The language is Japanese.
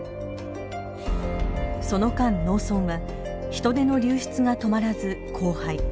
その間農村は人手の流出が止まらず荒廃。